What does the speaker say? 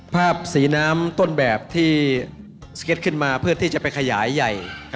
ภาพสีน้ำต้นแบบที่สเก็ตขึ้นมาเพื่อที่จะไปขยายใหญ่